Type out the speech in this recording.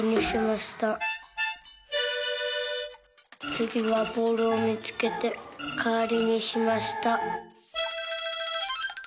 「つぎはボールをみつけてかわりにしました」。